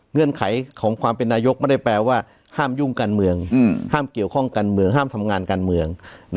เงื่อนไขของความเป็นนายกไม่ได้แปลว่าห้ามยุ่งการเมืองห้ามเกี่ยวข้องการเมืองห้ามทำงานการเมือง